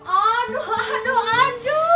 aduh aduh aduh